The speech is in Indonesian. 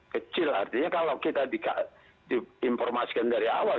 kecil artinya kalau kita diinformasikan dari awal